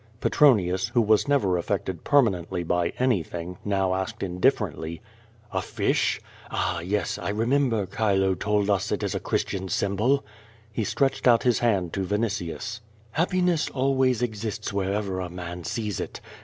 Petronius who was never afTected permanently by anythin^s now asked indifferently: QUO VADIS. 269 "A fish? Ah, yes! I remember Chilo told us it is a Chris tian symbol/^ lie stretched out his hand to Vinitius. "Happi ness always exists wherever a man sees it.